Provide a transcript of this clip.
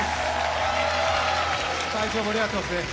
会場、盛り上がっていますね。